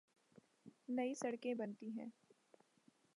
نئی سڑکیں بنتی ہیں۔